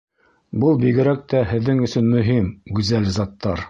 Был бигерәк тә һеҙҙең өсөн мөһим, гүзәл заттар.